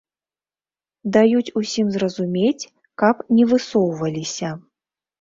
Даюць усім зразумець, каб не высоўваліся.